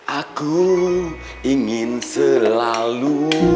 aku ingin selalu